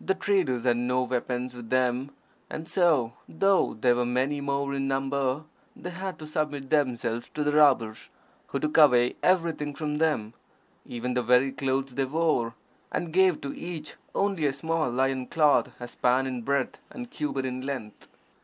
The traders had no weapons with them, and so, though they were many more in number, they had to submit themselves to the robbers, who took away everything from them, even the very clothes they wore, and gave to each only a small loin cloth a span in breadth and a cubit in length.